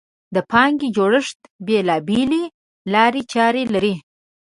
د پانګې جوړښت بېلابېلې لارې چارې لري.